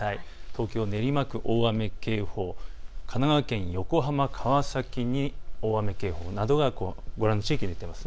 東京練馬区、大雨警報、神奈川県、横浜、川崎に大雨警報などがご覧の地域です。